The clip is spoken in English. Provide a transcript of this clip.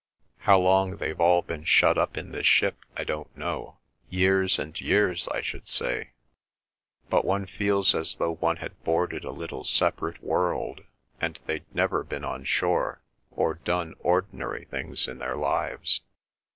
How long they've all been shut up in this ship I don't know—years and years I should say—but one feels as though one had boarded a little separate world, and they'd never been on shore, or done ordinary things in their lives.